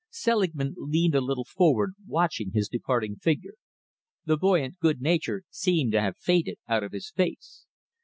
Selingman leaned a little forward, watching his departing figure. The buoyant good nature seemed to have faded out of his face.